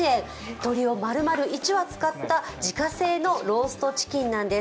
鶏を丸々１羽使った、ローストチキンなんです。